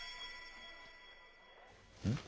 うん？